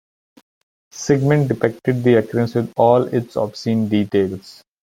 Sigmund depicted the occurrence with all its obscene details.